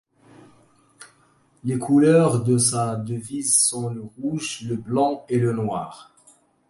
Les couleurs de sa devise sont le rouge, le blanc et le noir.